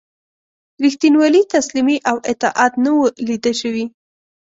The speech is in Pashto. ریښتینولي، تسلیمي او اطاعت نه وه لیده شوي.